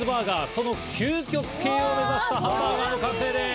その究極形を目指したハンバーガーの完成です。